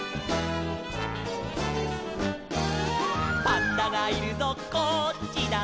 「パンダがいるぞこっちだ」